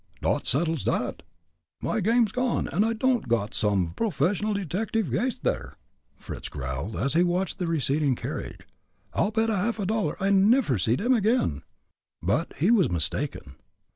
"Dot settles dot! My game's gone und I don'd got some professional detective gase, there," Fritz growled, as he watched the receding carriage. "I'll bet a half dollar I neffer see dem again." But he was mistaken.